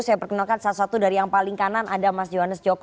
saya perkenalkan salah satu dari yang paling kanan ada mas johannes joko